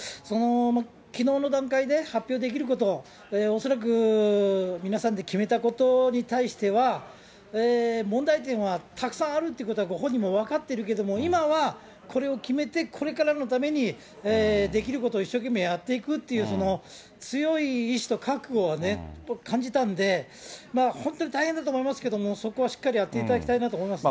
きのうの段階で発表できること、恐らく皆さんで決めたことに対しては、問題点はたくさんあるということは、ご本人も分かってるけども、今はこれを決めて、これからのためにできることを一生懸命やっていくという強い意思と覚悟はね、感じたんで、本当に大変だと思いますけども、そこはしっかりやっていただきたいなと思いますね。